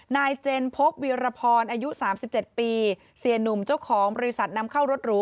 นายเจนพบวีรพรอายุ๓๗ปีเสียหนุ่มเจ้าของบริษัทนำเข้ารถหรู